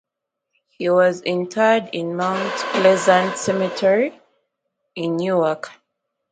He was interred in Mount Pleasant Cemetery in Newark.